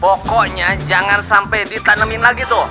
pokoknya jangan sampai ditanemin lagi tuh